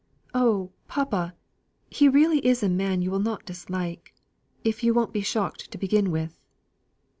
"Oh, papa! he really is a man you will not dislike if you won't be shocked to begin with."